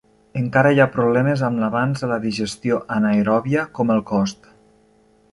Encara hi ha problemes amb l'avanç de la digestió anaeròbia, com el cost.